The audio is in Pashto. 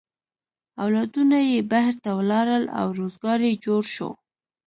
اولادونه یې بهر ته ولاړل او روزگار یې جوړ شو.